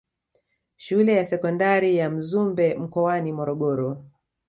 Shule ya sekondari ya Mzumbe mkoani Morogoro